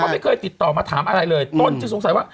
ไม่เคยติดต่อมาถามอะไรเลยต้นจึงสงสัยว่า